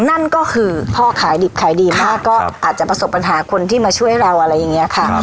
นั่นก็คือพ่อขายดิบขายดีมากก็อาจจะประสบปัญหาคนที่มาช่วยเราอะไรอย่างนี้ค่ะ